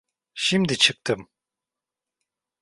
Şimdi çıktım!